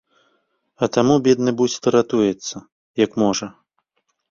А таму бедны бусел ратуецца, як можа.